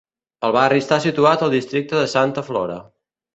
El barri està situat al districte de Santa Flora.